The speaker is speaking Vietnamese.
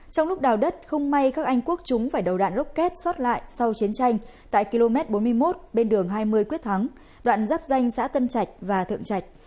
trong lúc đào đất không may các anh quốc chúng phải đầu đạn rocket xót lại sau chiến tranh tại km bốn mươi một bên đường hai mươi quyết thắng đoạn dắp danh xã tân trạch và thượng trạch